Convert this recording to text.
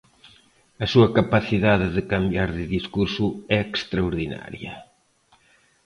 A súa capacidade de cambiar de discurso é extraordinaria.